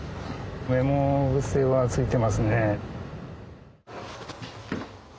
メモ癖はついてますね。